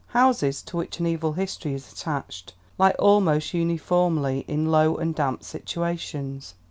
Houses to which an evil history is attached lie almost uniformly in low and damp situations.